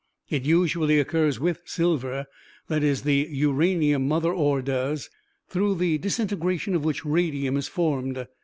It usually occurs with silver, that is, the uranium mother ore does, through the disintegration of which radium is formed.